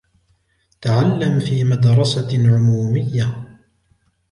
تعلم في مدرسة عمومية.